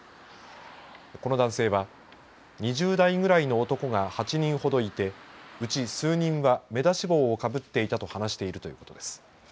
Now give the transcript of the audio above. この男性は２０代ぐらいの男が８人ほどいてうち数人には目出し帽をかぶっていたと話しているということです。